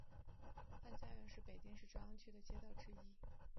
潘家园是北京市朝阳区的街道之一。